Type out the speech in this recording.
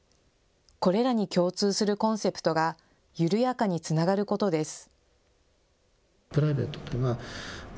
これらに共通するコンセプトが緩やかにつながることです。